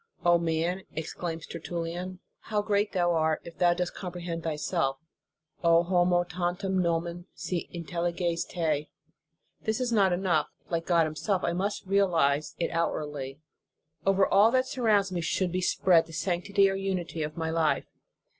"O, man!" exclaims Tertullian, "how great 286 The Sign of the Cross thou art, if thou dost comprehend thyself!" O homo, tantum nomen si intelligas te ! This is not enough; like God Himself, I must realize it outwardly. Over all that sur rounds me should be spread the sanctity or unity of my life.